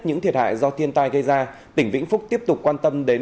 những thiệt hại do thiên tai gây ra tỉnh vĩnh phúc tiếp tục quan tâm đến